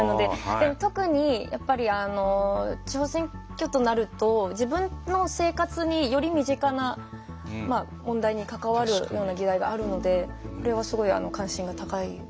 でも特にやっぱりあの地方選挙となると自分の生活により身近な問題に関わるような議題があるのでこれはすごい関心が高いですね。